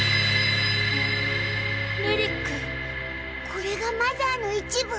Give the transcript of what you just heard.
これがマザーの一部？